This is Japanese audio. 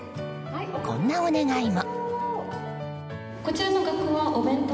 こんなお願いも。